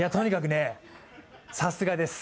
とにかくね、さすがです。